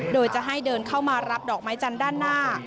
โดยจะให้เดินเข้ามารับดอกไม้จันทร์ด้านหน้า